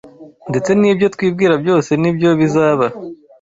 ndetse n’ibyo twibwira byose ni byo bizaba